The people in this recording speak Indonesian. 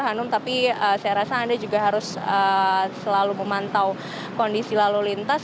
hanum tapi saya rasa anda juga harus selalu memantau kondisi lalu lintas